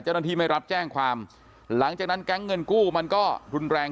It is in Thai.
ไม่รับแจ้งความหลังจากนั้นแก๊งเงินกู้มันก็รุนแรง